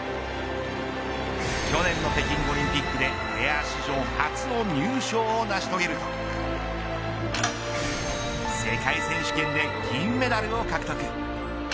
去年の北京オリンピックでペア史上初の入賞を成し遂げると世界選手権で銀メダルを獲得。